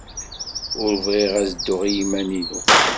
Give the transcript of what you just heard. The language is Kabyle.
Ur bɣiɣ ad dduɣ i yiman-inu.